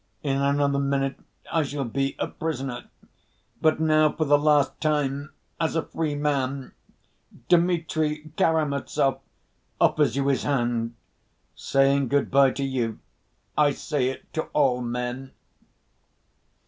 In another minute I shall be a prisoner, but now, for the last time, as a free man, Dmitri Karamazov offers you his hand. Saying good‐by to you, I say it to all men."